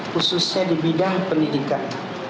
khususnya di bidang pendidikan